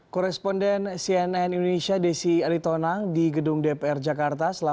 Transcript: koresponden cnn indonesia desi aritonang di gedung dpr jakarta